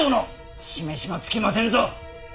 示しがつきませんぞ。